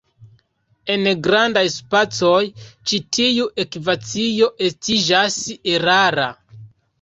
En grandaj spacoj, ĉi tiu ekvacio estiĝas erara.